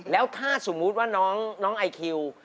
แล้วถ้าสมมุติว่าน้องไอคิว